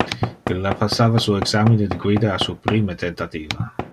Illa passava su examine de guida a su prime tentativa..